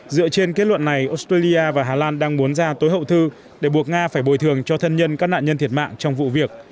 dựa trên kết luận này australia và hà lan đang muốn ra tối hậu thư để buộc nga phải bồi thường cho thân nhân các nạn nhân thiệt mạng trong vụ việc